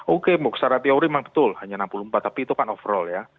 oke muksara teori memang betul hanya enam puluh empat tapi itu kan overall ya